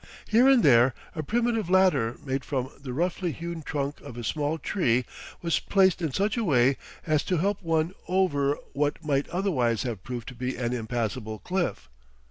Here and there, a primitive ladder made from the roughly hewn trunk of a small tree was placed in such a way as to help one over what might otherwise have proved to be an impassable cliff.